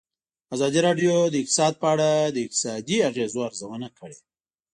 ازادي راډیو د اقتصاد په اړه د اقتصادي اغېزو ارزونه کړې.